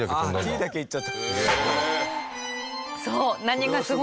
ティーだけいっちゃった。